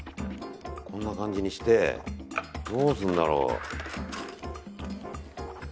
こんな感じにしてどうするんだろう。